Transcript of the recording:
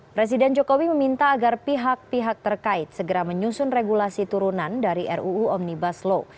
presiden jokowi meminta agar pihak pihak terkait segera menyusun regulasi turunan dari ruu omnibus law